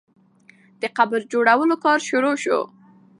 د قبر جوړولو کار شروع سو.